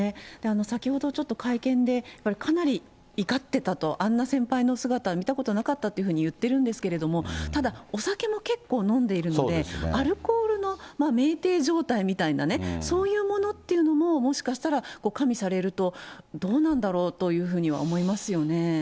先ほどちょっと会見で、かなり怒ってたと、あんな先輩の姿見たことなかったっていうふうに言ってるんですけれども、ただ、お酒も結構飲んでいるので、アルコールの酩酊状態みたいなね、そういうものっていうのも、もしかしたら加味されると、どうなんだろうというふうには思いますよね。